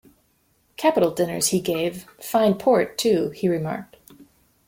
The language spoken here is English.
‘Capital dinners he gave; fine port, too,’ he remarked.